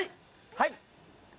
はい。